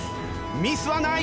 ミスはない！